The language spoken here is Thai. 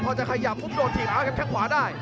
พอจะขยับปุ๊บโดนถีบแล้วครับแค่งขวาได้